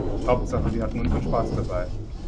Hauptsache wir hatten unseren Spaß dabei.